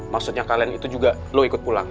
maksudnya kalian itu juga lo ikut pulang